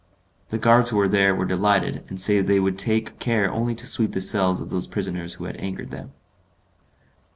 The guards who were there were delighted, and said they would take care only to sweep the cells of those prisoners who had angered them.